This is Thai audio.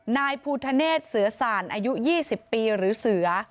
นายพวุโธเนจเสื้อสารอายุ๒๐ปีหรือเสื้อ